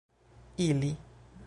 ili